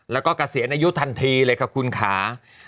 แล้วก็เกษียณอายุทันทีเลยค่ะคุณค่ะ